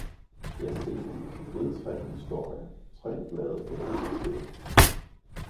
Ja, se det er tre historier, tre blade på én stilk.